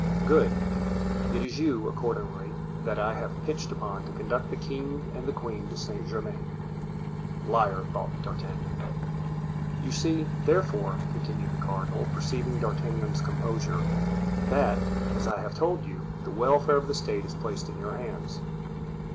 "Good; it is you, accordingly, that I have pitched upon to conduct the king and the queen to Saint Germain." "Liar!" thought D'Artagnan. "You see, therefore," continued the cardinal, perceiving D'Artagnan's composure, "that, as I have told you, the welfare of the state is placed in your hands."